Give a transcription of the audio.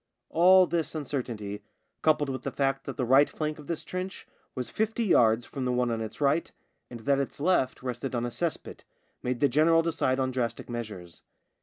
All this uncertainty, coupled with the fact that the right flank of this trench was fifty yards from the one on its right, and that its left rested on a cess pit, made the general decide on drastic measures.